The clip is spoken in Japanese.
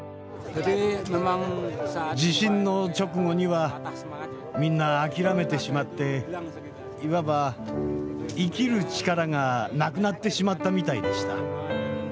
地震の直後にはみんな諦めてしまっていわば生きる力がなくなってしまったみたいでした。